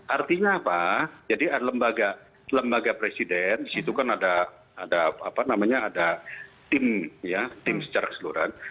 artinya apa jadi ada lembaga presiden disitu kan ada tim ya tim secara keseluruhan